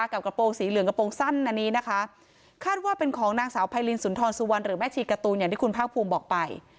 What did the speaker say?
กระโปรงสีเหลืองกระโปรงสั้นอันนี้นะคะคาดว่าเป็นของนางสาวไพรินสุนทรสุวรรณหรือแม่ชีการ์ตูนอย่างที่คุณภาคภูมิบอกไป